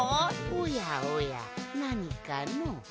おやおやなにかの？